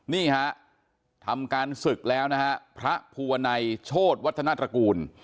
นี่ฮะทำการศึกแล้วนะฮะพระภูวนัยโชธวัฒนาตระกูล